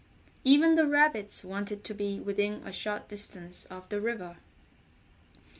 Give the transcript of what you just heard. Even the rabbits wanted to be within a short distance of the river.